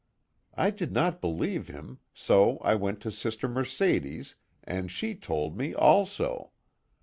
I did not believe him, so I went to Sister Mercedes, and she told me, also.